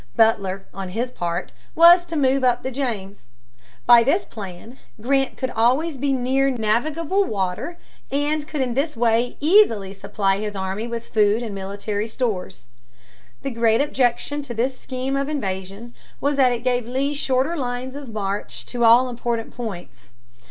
Butler, on his part, was to move up the James. By this plan Grant could always be near navigable water and could in this way easily supply his army with food and military stores. The great objection to this scheme of invasion was that it gave Lee shorter lines of march to all important points.